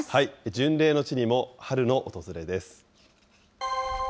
巡礼の地にも春の訪れです。